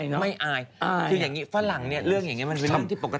ชื่ออย่างนี้ฝรั่งเนี่ยเรื่องอย่างนี้มันเป็นเลย